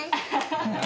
ハハハッ。